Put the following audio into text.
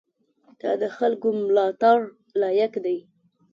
دا د خلکو ملاتړ لایق دی.